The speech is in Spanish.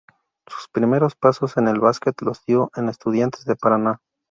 Sus primeros pasos en el básquet los dio en Estudiantes de Paraná.